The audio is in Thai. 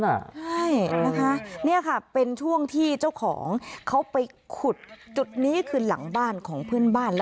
ใช่นะคะนี่ค่ะเป็นช่วงที่เจ้าของเขาไปขุดจุดนี้คือหลังบ้านของเพื่อนบ้าน